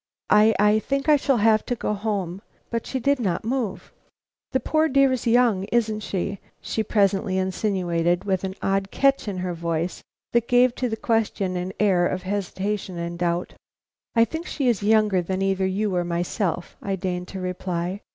"I I think I shall have to go home." But she did not move. "The poor dear's young, isn't she?" she presently insinuated, with an odd catch in her voice that gave to the question an air of hesitation and doubt. "I think she is younger than either you or myself," I deigned to reply.